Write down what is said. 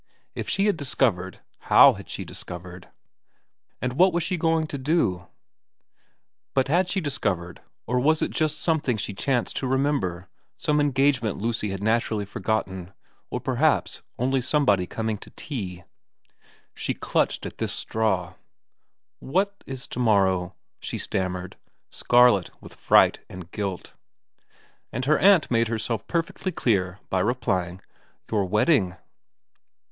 If she had discovered, how had she discovered ? And what was she going to do ? But had she discovered, or was it just something she chanced to remember, some engagement Lucy had naturally forgotten, or perhaps only somebody coming to tea ? Ul 142 VERA xm She clutched at this straw. ' What is to morrow ?' she stammered, scarlet with fright and guilt. And her aunt made herself perfectly clear by replying, ' Your wedding.'